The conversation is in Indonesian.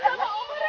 ya ya oke siap siap